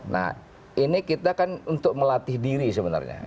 nah ini kita kan untuk melatih diri sebenarnya